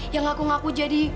yang ngaku ngaku jadi